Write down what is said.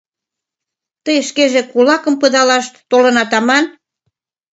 — Тый шкеже кулакым пыдалаш толынат аман!